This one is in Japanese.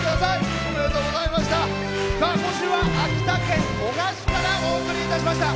今週は秋田県男鹿市からお送りいたしました。